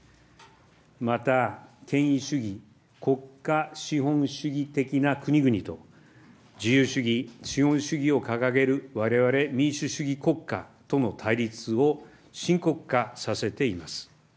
また、権威主義・国家資本主義的な国々と、自由主義・資本主義を掲げるわれわれ民主主義国家との対立を深刻化させています。